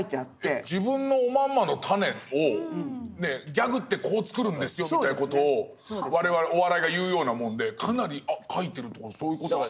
えっ自分のおまんまのたねをギャグってこう作るんですよみたいな事を我々お笑いが言うようなもんでかなり描いてるって事そういう事なんですか。